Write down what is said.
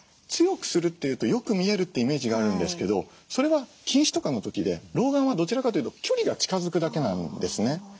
強くするっていうとよく見えるってイメージがあるんですけどそれは近視とかの時で老眼はどちらかというと距離が近づくだけなんですね。